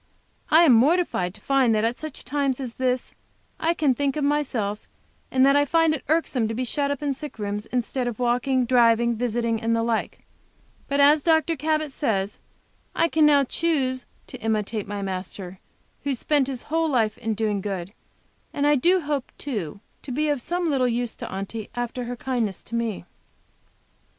I am mortified to find that at such a time as this I can think of myself, and that I find it irksome to be shut up in sick rooms, instead of walking, driving, visiting, and the like. But, as Dr. Cabot says, I can now choose to imitate my Master, who spent His whole life in doing good, and I do hope, too, to be of some little use to Aunty, after her kindness to me.